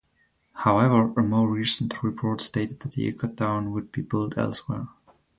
However, a more recent report stated the eco-town would be built elsewhere.